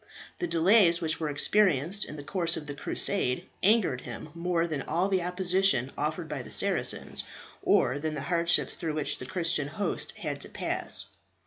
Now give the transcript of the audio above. The delays which were experienced in the course of the Crusade angered him more than all the opposition offered by the Saracens, or than the hardships through which the Christian host had to pass.